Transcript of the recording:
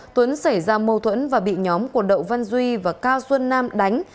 tuấn xảy ra mâu thuẫn và bị nhóm của đậu văn duy và cao xuân nam đánh